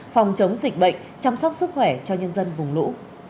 phòng chống dịch bệnh chăm sóc sức khỏe cho nhân dân vùng lũ